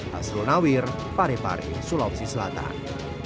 hasrul nawir parepare sulawesi selatan